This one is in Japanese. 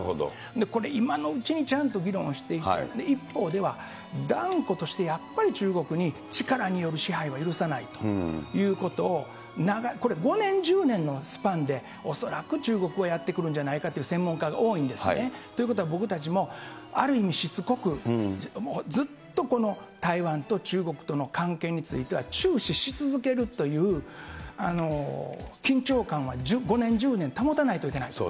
これ、今のうちにちゃんと議論をして、一方では断固としてやっぱり中国に、力による支配は許さないということを、これ、５年、１０年のスパンで恐らく中国はやって来るんじゃないかという、専門家が多いんですね。ということは僕たちもある意味、しつこく、ずっとこの台湾と中国との関係については、注視し続けるという緊張感は５年、１０年保たないといけないと。